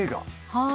はい。